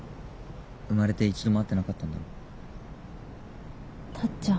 生まれて一度も会ってなかったんだろ。